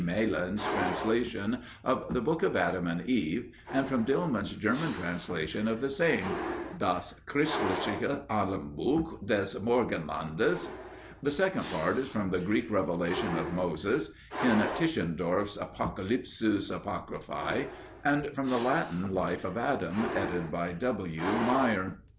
Malan's translation of The Book of Adam and Eve, and from Dillmann's German translation of the same (Das christliche Adambuch des Morgenlandes). The second part is from the Greek Revelation of Moses (in Tischendorf's Apocalypses Apocryphae), and from the Latin Life of Adam, edited by W. Meyer.